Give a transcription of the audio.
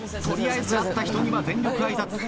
取りあえず会った人には全力挨拶。